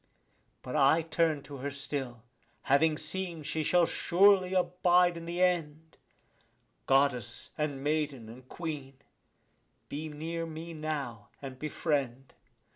But I turn to her still, having seen she shall surely abide in the end; Goddess and maiden and queen, be near me now and befriend.